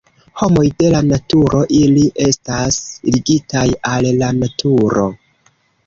Homoj de la naturo, ili estas ligitaj al la naturo.